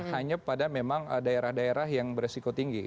hanya pada memang daerah daerah yang beresiko tinggi